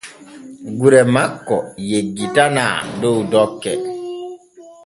Gure makko yeggitanaa dow dokke.